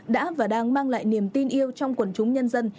đã và đang mang lại niềm tin yêu trong quần chúng nhân dân